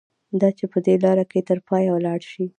دا چې په دې لاره کې تر پایه لاړ شي.